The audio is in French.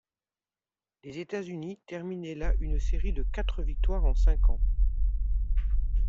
Les États-Unis terminaient là une série de quatre victoires en cinq ans.